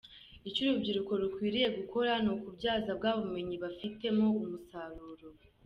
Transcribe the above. Icyo urubyiruko rukwiriye gukora ni ukubyaza bwa bumenyi afite mo umusaruro.